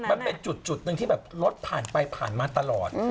มันเป็นจุดหนึ่งที่แบบรถผ่านไปผ่านมาตลอด